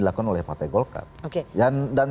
dilakukan oleh partai golkar dan